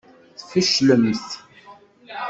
Tfeclemt.